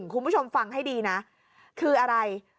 คุณผู้ชมฟังให้ดีนะคืออะไร